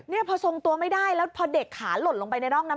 นี่พอทรงตัวไม่ได้แล้วพอเด็กขาหล่นลงไปในร่องน้ำ